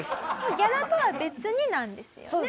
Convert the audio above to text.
ギャラとは別になんですよね？